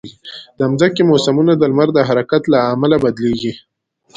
د مځکې موسمونه د لمر د حرکت له امله بدلېږي.